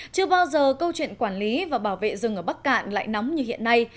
chưa bao giờ câu chuyện quản lý và bảo vệ rừng ở bắc cạn lại nóng như hiện nay